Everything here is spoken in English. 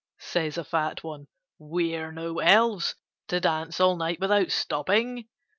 says a Fat One, "We're no Elves, To dance all night without stopping!